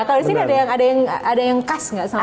kalau di sini ada yang khas nggak sama